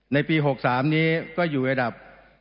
ในปี๖๓นี้ก็อยู่ระดับ